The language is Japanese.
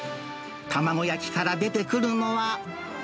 卵焼きから出てくるのは。